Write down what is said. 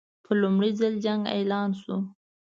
په لومړي ځل جنګ اعلان شو.